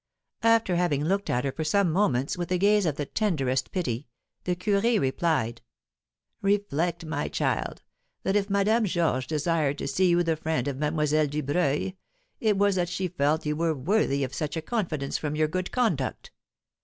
After having looked at her for some moments with a gaze of the tenderest pity, the curé replied: "Reflect, my child, that if Madame Georges desired to see you the friend of Mademoiselle Dubreuil, it was that she felt you were worthy of such a confidence from your good conduct.